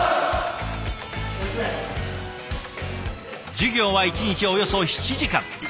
授業は１日およそ７時間。